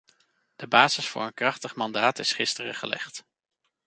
De basis voor een krachtig mandaat is gisteren gelegd.